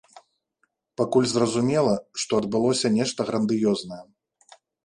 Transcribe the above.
Пакуль зразумела, што адбылося нешта грандыёзнае.